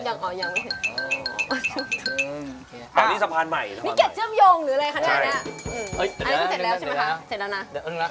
ใช่ให้เสร็จแล้วใช่ไหมคะเสร็จแล้วนะ